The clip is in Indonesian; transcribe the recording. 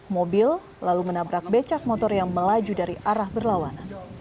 mobil lalu menabrak becak motor yang melaju dari arah berlawanan